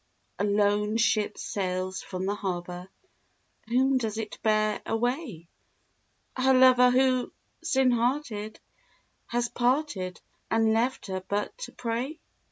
A lone ship sails from the harbour: Whom does it bear away? Her lover who, sin hearted, has parted And left her but to pray?